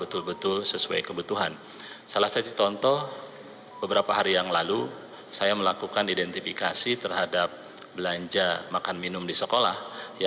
komponen kebutuhan sekolah telah selesai di minggu kedua bulan oktober sebagian sudah selesai di sebelumnya